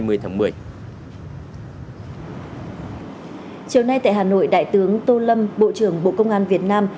chiều nay tại hà nội đại tướng tô lâm bộ trưởng bộ công an việt nam